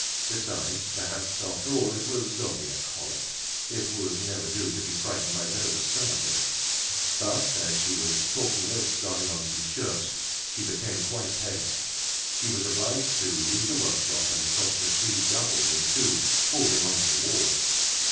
Besides, perhaps after all it was only a colic; it would never do to be frightened by a bit of a stomach ache. But as she was talking of starting on some shirts, she became quite pale. She was obliged to leave the work shop, and cross the street doubled in two, holding on to the walls.